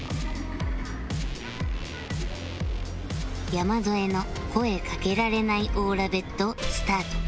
山添の声かけられないオーラ ＢＥＴ スタート